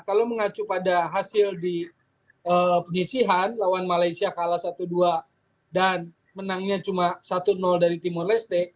kalau mengacu pada hasil di penyisihan lawan malaysia kalah satu dua dan menangnya cuma satu dari timor leste